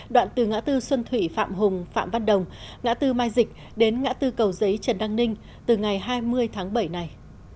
đoạn từ ngã tư xuân thủy phạm hùng phạm văn đồng ngã tư mai dịch đến ngã tư cầu giấy trần đăng ninh từ ngày hai mươi tháng bảy này